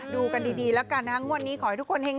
ดูกันดีแล้วกันนะครับงวดนี้ขอให้ทุกคนเฮง